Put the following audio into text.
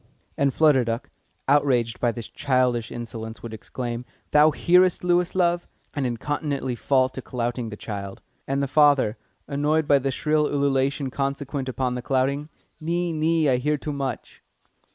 And Flutter Duck, outraged by this childish insolence, would exclaim, "Thou hearest, Lewis, love?" and incontinently fall to clouting the child. And the father, annoyed by the shrill ululation consequent upon the clouting: "Nee, nee, I hear too much."